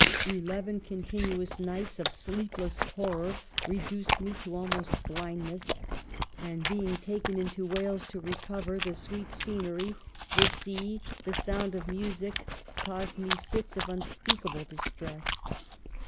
Eleven continuous nights of sleepless horror reduced me to almost blindness, and being taken into Wales to recover, the sweet scenery, the sea, BRANIVELUS FALL. 163 the sound of music, caused me fits of unspeak able distress.